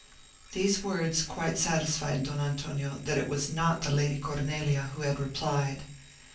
These words quite satisfied Don Antonio that it was not the Lady Cornelia who had replied.